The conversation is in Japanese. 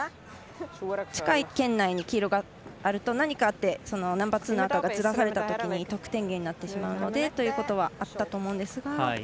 近い圏内に黄色があると何かあってナンバーツーの赤がずらされたときに得点源になってしまうのでということがあったと思うんですが。